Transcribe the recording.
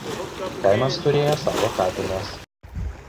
Kaimas turėjo savo kapines.